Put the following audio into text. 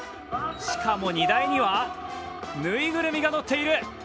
しかも、荷台にはぬいぐるみが乗っている。